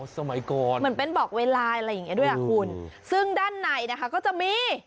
สมัยก่อนเหมือนเป็นบอกเวลาอะไรอย่างเงี้ด้วยอ่ะคุณซึ่งด้านในนะคะก็จะมี